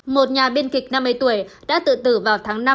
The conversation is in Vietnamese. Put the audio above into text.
một nhà biên kịch năm mươi tuổi đã tự tử vào tháng năm